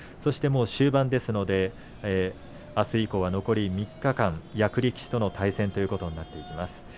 終盤ですので、あす以降は残り３日間役力士との対戦ということになってきます。